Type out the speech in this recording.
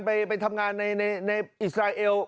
ไปทำงานในอิสราเอล